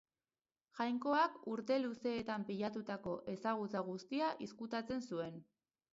Jainkoak urte luzeetan pilatutako ezagutza guztia izkutatzen zuen.